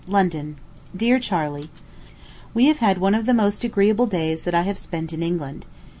LONDON. DEAR CHARLEY: We have had one of the most agreeable days that I have spent in England.